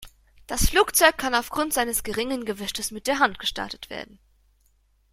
Das Flugzeug kann aufgrund seines geringen Gewichtes mit der Hand gestartet werden.